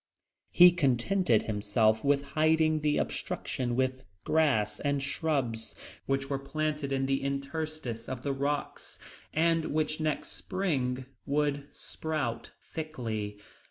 He contented himself with hiding the obstruction with grass and shrubs, which were planted in the interstices of the rocks, and which next spring would sprout thickly.